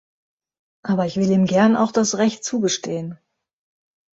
Aber ich will ihm gern auch das Recht zugestehen.